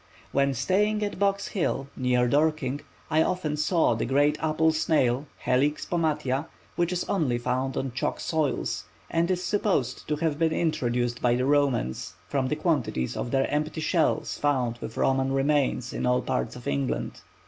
When staying at Box Hill, near Dorking, I often saw the great apple snail, Helix Pomatia, which is only found on chalk soils, and is supposed to have been introduced by the Romans, from the quantities of their empty shells found with Roman remains in all parts of England.